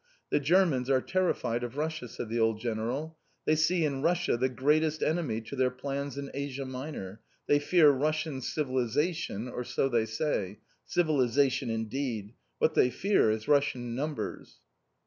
"The Germans are terrified of Russia," said the old General. "They see in Russia the greatest enemy to their plans in Asia Minor. They fear Russian civilisation or so they say! Civilisation indeed! What they fear is Russian numbers!"